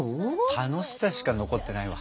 楽しさしか残ってないわ。